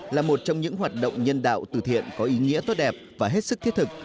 là một trong những hoạt động nhân đạo tử thiện có ý nghĩa tốt đẹp và hết sức thiết thực